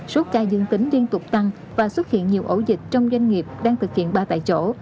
số ca dương tính liên tục tăng và xuất hiện nhiều ổ dịch trong doanh nghiệp đang thực hiện ba tại chỗ